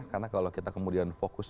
karena kalau kita kemudian fokus